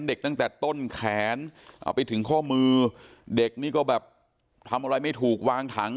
ตั้งแต่ต้นแขนเอาไปถึงข้อมือเด็กนี่ก็แบบทำอะไรไม่ถูกวางถัง